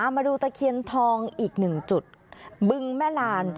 มาดูตะเขียนทองอีกหนึ่งจุด